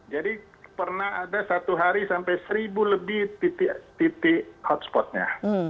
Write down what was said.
jadi pernah ada satu hari sampai seribu lebih titik hotspotnya